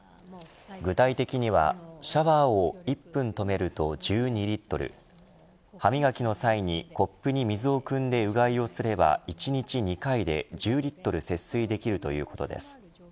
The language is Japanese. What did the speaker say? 具体的にはシャワーを１分止めると１２リットル歯磨きの際に、コップに水をくんで、うがいすれば１日２回で１０リットル節水できるということです。